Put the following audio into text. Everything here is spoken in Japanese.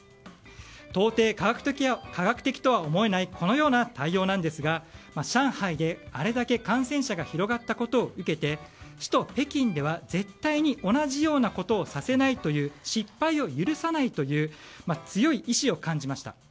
到底、科学的とは思えないこのような対応ですが上海で、あれだけ感染者が広がったことを受けて首都・北京では絶対に同じようなことをさせないという失敗を許さないという強い意志を感じました。